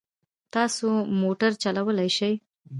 تاسو موټر چلولای شئ؟